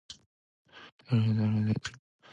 星が夜空に輝いている。